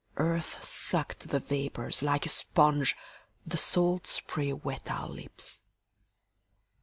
Earth sucked the vapors like a sponge, The salt spray wet our lips.